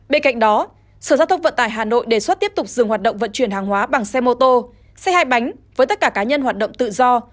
bên cạnh đó sở giao thông vận tải hà nội đề xuất tiếp tục dừng hoạt động vận chuyển hàng hóa bằng xe mô tô xe hai bánh với tất cả cá nhân hoạt động tự do